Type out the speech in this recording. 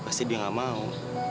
pasti dia nggak mau